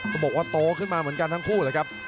ก็บอกว่าโตขึ้นมาเหมือนกันทั้งคู่เลยครับ